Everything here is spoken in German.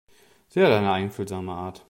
Sie hat eine einfühlsame Art.